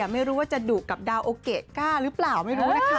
ไม่รู้ว่าจะดุกับดาวโอเกะก้าหรือเปล่าไม่รู้นะคะ